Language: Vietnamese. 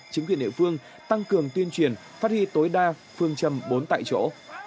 chính quyền địa phương tăng cường tuyên truyền phát huy tối đa phương châm bốn tại chỗ